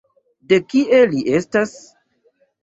De kie li estas?